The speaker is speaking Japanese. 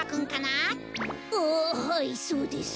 ああはいそうです。